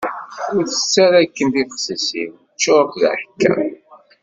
Ur tett ara akken tibexsisin, ččurent d aḥekka.